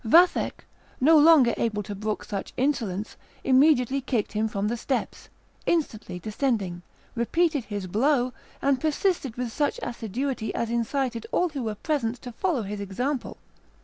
Vathek, no longer able to brook such insolence, immediately kicked him from the steps; instantly descending, repeated his blow, and persisted with such assiduity as incited all who were present to follow his example.